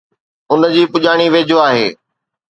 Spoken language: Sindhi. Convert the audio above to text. ان جي پڄاڻي ويجهو آهي